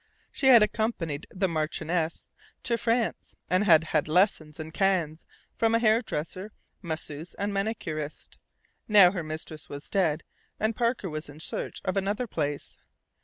She had accompanied "the Marchioness" to France, and had had lessons in Cannes from a hair dresser, masseuse, and manicurist. Now her mistress was dead, and Parker was in search of another place.